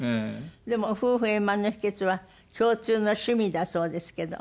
でも夫婦円満の秘訣は共通の趣味だそうですけど。